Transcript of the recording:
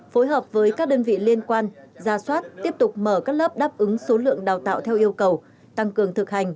phối hợp với các đơn vị liên quan ra soát tiếp tục mở các lớp đáp ứng số lượng đào tạo theo yêu cầu tăng cường thực hành